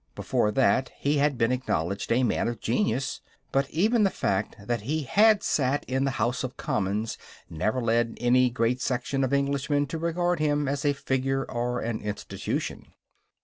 Before that he had been acknowledged a man of genius. But even the fact that he had sat in the House of Commons never led any great section of Englishmen to regard him as a figure or an institution.